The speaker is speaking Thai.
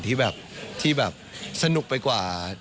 ที่แบบที่แบบสนุกไปกว่า